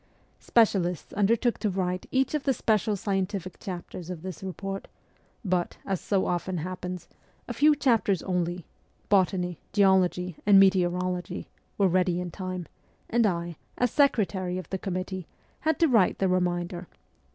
Specialists undertook to write each of the special scientific chapters of this report ; but, as often happens, a few chapters only botany, geology, and meteorology were ready in time, and I, as secretary of the committee, had to write the remainder.